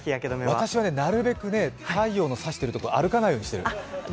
私はね、なるべく太陽のさしてるところ歩かないようにしてる。